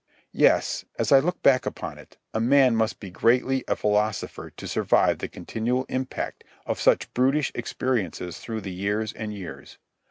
Yes, as I look back upon it, a man must be greatly a philosopher to survive the continual impact of such brutish experiences through the years and years.